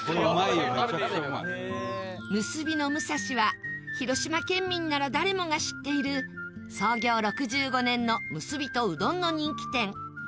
むすびのむさしは広島県民なら誰もが知っている創業６５年のむすびとうどんの人気店